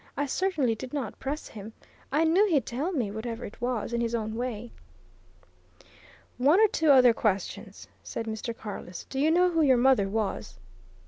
"I certainly did not press him. I knew he'd tell me, whatever it was, in his own way." "One or two other questions," said Mr. Carless. "Do you know who your mother was?"